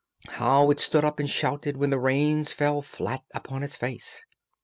How it stood up and shouted when the rains fell flat upon its face!